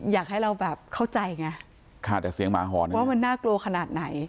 อยากให้เราแบบเข้าใจไงขาดแต่เสียงหมาหอนว่ามันน่ากลัวขนาดไหน